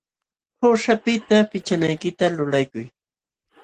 Quśhapiqta pichanaykita lulaykuy.